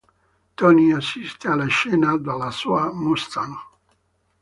Tony assiste alla scena dalla sua Mustang.